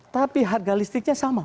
tapi harga listriknya sama